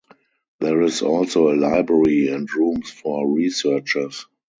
There is also a library and rooms for researchers.